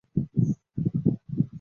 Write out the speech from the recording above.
中华民国宣布与印度断交。